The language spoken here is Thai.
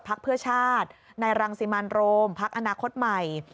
พักเพื่อชาตินายรังสิมันโรมพักอนาคตใหม่